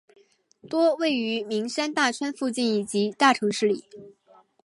多位于名山大川附近以及大城市里。